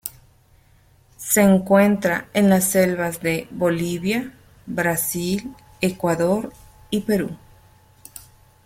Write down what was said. Se encuentra en las selvas de Bolivia, Brasil, Ecuador y Perú.